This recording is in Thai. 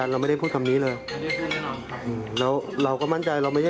ผมไม่ได้ตะโกนคำนี้ค่ะ